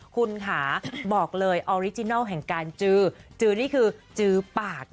คุณค่ะบอกเลยออริจินัลแห่งการจือจือนี่คือจือปาก